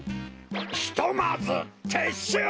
ひとまずてっしゅう！